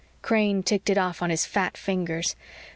Crane ticked it off on his fat fingers.